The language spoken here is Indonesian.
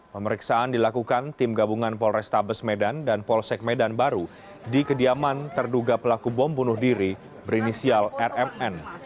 pemeriksaan dilakukan tim gabungan polrestabes medan dan polsek medan baru di kediaman terduga pelaku bom bunuh diri berinisial rmn